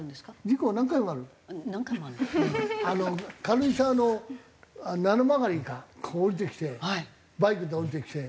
軽井沢の七曲かこう下りてきてバイクで下りてきて。